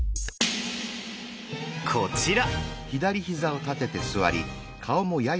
こちら！